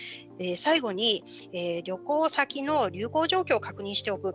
最後に旅行先の流行状況を確認しておく。